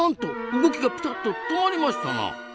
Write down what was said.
動きがピタッと止まりましたな！